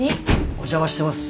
お邪魔してます。